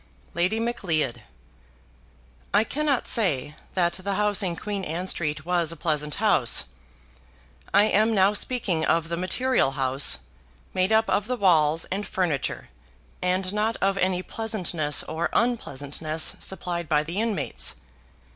Lady Macleod. I cannot say that the house in Queen Anne Street was a pleasant house. I am now speaking of the material house, made up of the walls and furniture, and not of any pleasantness or unpleasantness supplied by the inmates.